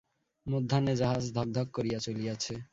মধ্যাহ্নে জাহাজ ধক ধক করিয়া চলিয়াছে।